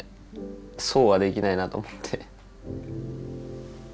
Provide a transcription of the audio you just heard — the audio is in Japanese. そうはできないなと思って。